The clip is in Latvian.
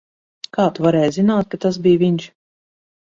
Kā tu varēji zināt, ka tas bija viņš?